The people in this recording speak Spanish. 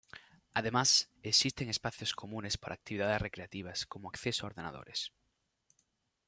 Además, existen espacios comunes para actividades recreativas como acceso a ordenadores.